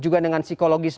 juga dengan psikologis